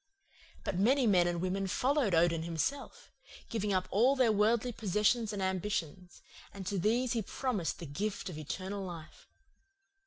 But many men and women followed Odin himself, giving up all their worldly possessions and ambitions; and to these he promised the gift of eternal life.